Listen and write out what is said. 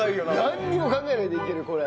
なんにも考えないでいけるこれ。